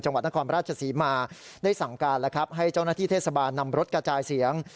จังหวัดนครราชศรีมาได้สั่งการแล้วครับให้เจ้าหน้าที่เทศบาลนำรถกระจายเสียง